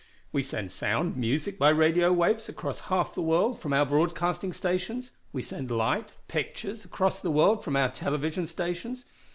We send sound, music by radio waves across half the world from our broadcasting stations. We send light, pictures, across the world from our television stations.